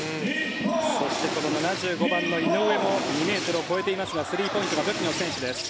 そしてこの７５番の井上も２ｍを超えていますがスリーポイントが武器の選手です。